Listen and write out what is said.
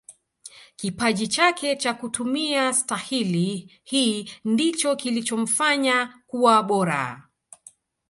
kipaji chake cha kutumia stahili hii ndicho kilichomfanya kuwa bora